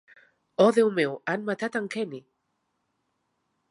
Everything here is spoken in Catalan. Oh Déu meu, han matat en Kenny!